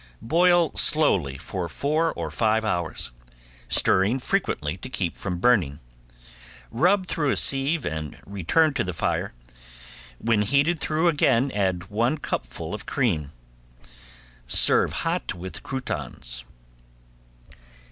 Boil slowly for four or five hours, stirring frequently to keep from burning. Rub through a sieve and return to the fire, when heated through again add one cupful of cream. Serve hot with croutons.